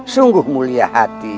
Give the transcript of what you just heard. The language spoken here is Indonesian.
sungguh mulia hati